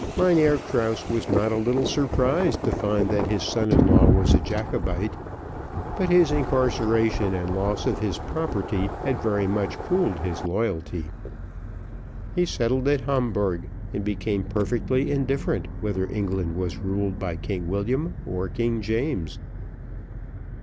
Mynheer Krause was not a little surprised to find that his son in law was a Jacobite, but his incarceration and loss of his property had very much cooled his loyalty. He settled at Hamburgh, and became perfectly indifferent whether England was ruled by King William or King James.